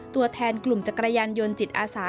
ตัวแทนกลุ่มจักรยานยนต์จิตอาสา